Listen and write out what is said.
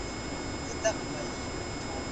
پرون بیا د کور مخې ته ورسېدم.